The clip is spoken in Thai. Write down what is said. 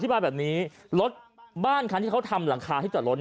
บายแบบนี้รถบ้านคันที่เขาทำหลังคาที่จอดรถ